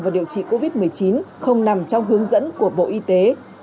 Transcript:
và điều trị covid một mươi chín không nằm trong hướng dẫn của bộ y tế